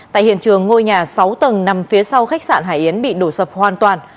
tại hiện trường ngôi nhà sáu tầng nằm phía sau khách sạn hải yến bị đổ sập hoàn toàn